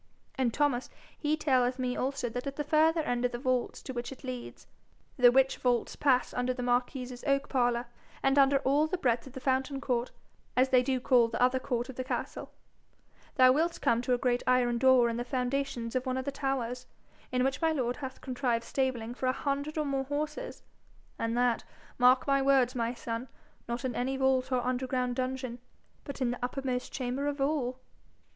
And Thomas he telleth me also that at the further end of the vaults to which it leads, the which vaults pass under the marquis's oak parlour, and under all the breadth of the fountain court, as they do call the other court of the castle, thou wilt come to a great iron door in the foundations of one of the towers, in which my lord hath contrived stabling for a hundred and more horses, and that, mark my words, my son, not in any vault or underground dungeon, but in the uppermost chamber of all.'